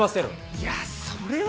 いやそれは。